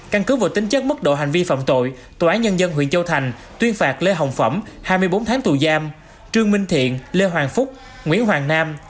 căn cứ vừa tính chất mức độ hành vi phạm tội tòa án nhân dân huyện châu thành tuyên phạt lê hồng phẩm